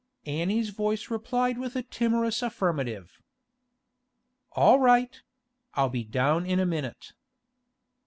Annie's voice replied with a timorous affirmative. 'All right; I'll be down in a minute.